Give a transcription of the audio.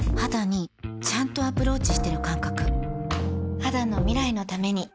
肌の未来のために